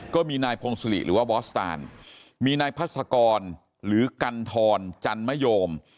ก็มีนายพงศิริหรือว่าบอสตานมีนายพัศกรหรือกันทรจันมโยม